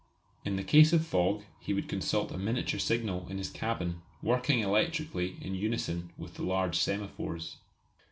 In case of fog he would consult a miniature signal in his cabin working electrically in unison with the large semaphores.